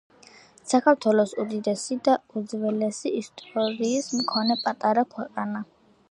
საქართველო უდიდესი და უძველესი ისტორიის მქონე პატარა ქვეყანაა.